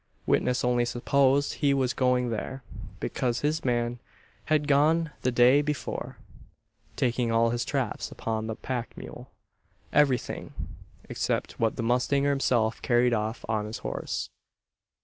Witness only supposed he was going there, because his man had gone the day before, taking all his traps upon a pack mule everything, except what the mustanger himself carried off on his horse.